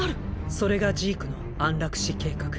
それがジークの「安楽死計画」。